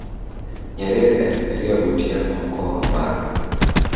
nyerere alizaliwa butiama mkoa wa mara